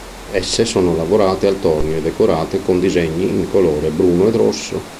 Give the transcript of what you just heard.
Esse sono lavorate al tornio e decorate con disegni in colore bruno e rosso.